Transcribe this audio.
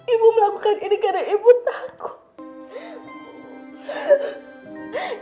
ibu melakukan ini karena ibu takut